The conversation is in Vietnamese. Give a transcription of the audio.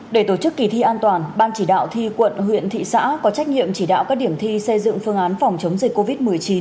để tổ chức kỳ thi an toàn ban chỉ đạo thi quận huyện thị xã có trách nhiệm chỉ đạo các điểm thi xây dựng phương án phòng chống dịch covid một mươi chín